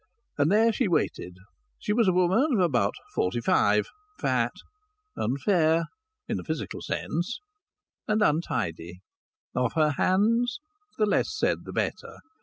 And there she waited. She was a woman of about forty five; fat, unfair (in the physical sense), and untidy. Of her hands the less said the better.